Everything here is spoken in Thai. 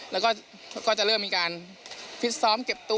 แล้วก็จะเริ่มมีการฟิตซ้อมเก็บตัว